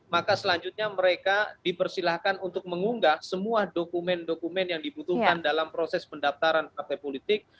maka selanjutnya mereka dipersilahkan untuk mengunggah semua dokumen dokumen yang dibutuhkan dalam proses pendaftaran partai politik